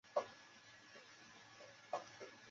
三个行星都具有相当发达的科技。